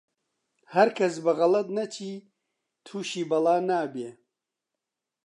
هەرکەس بە غەڵەت نەچی، تووشی بەڵا نابێ